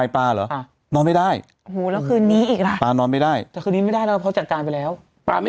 พี่ไม่ได้นอนเลยเขาดูว่ะ